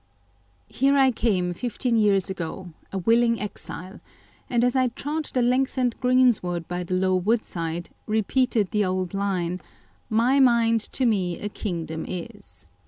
Here I came fifteen years ago,1 a willing exile ; and as I trod the lengthened greensward by the low woodside, repeated the old line, 9 My mind to ine a kingdom is